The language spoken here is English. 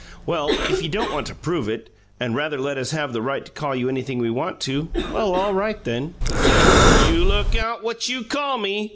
"Well, if you don't want to prove it, and rather let us have the right to call you anything we want to well, all right, then," he said. "You look out what you call me!"